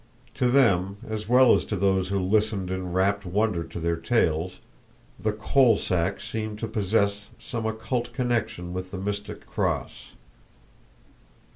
To them, as well as to those who listened in rapt wonder to their tales, the "Coal sack" seemed to possess some occult connection with the mystic "Cross."